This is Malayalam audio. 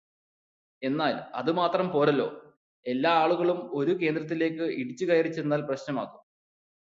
എന്നാൽ അതു മാത്രം പോരാ, എല്ലാ ആളുകളും ഒരു കേന്ദ്രത്തിലേക്ക് ഇടിച്ചു കയറി ചെന്നാൽ പ്രശ്നമാകും.